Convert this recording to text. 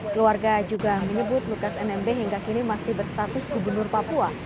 keluarga juga menyebut lukas nmb hingga kini masih berstatus gubernur papua